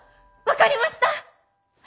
分かりました！